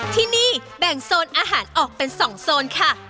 ที่นี่แบ่งโซนอาหารออกเป็น๒โซนค่ะ